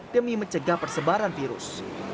demi mencegah persebaran virus